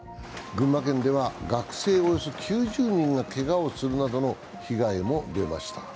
群馬県では学生およそ９０人がけがをするなどの被害も出ました。